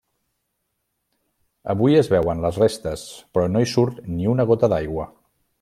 Avui es veuen les restes, però no hi surt ni una gota d'aigua.